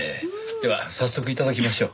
では早速頂きましょう。